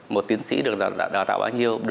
một tiến sĩ được đào tạo bao nhiêu